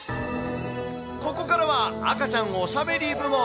ここからは、赤ちゃんおしゃべり部門。